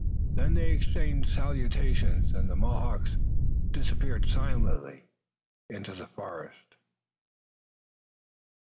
Then they exchanged salutations, and the Mohawks disappeared silently in the forest.